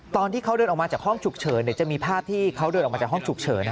ตอนที่เขาเดินออกมาจากห้องฉุกเฉินจะมีภาพที่เขาเดินออกมาจากห้องฉุกเฉิน